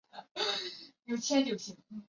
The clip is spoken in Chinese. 晚明阉党官员。